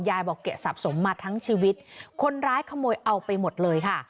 ยายบอกแกะสะสมมาทั้งชีวิตคนร้ายขโมยเอาไปหมดเลยค่ะ